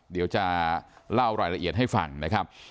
เดี๋ยวจะเล่ารายละเอียดให้ฟังนะครับ